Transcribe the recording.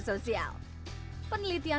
wow ini mengerikan